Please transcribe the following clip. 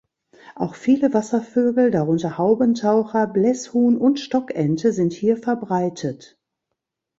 Auch viele Wasservögel, darunter Haubentaucher, Blässhuhn und Stockente sind hier verbreitet.